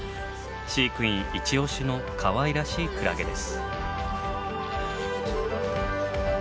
飼育員イチオシのかわいらしいクラゲです。